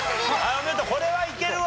これはいけるわ。